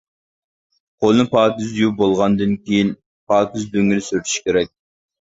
قولنى پاكىز يۇيۇپ بولغاندىن كېيىن، پاكىز لۆڭگىدە سۈرتۈش كېرەك.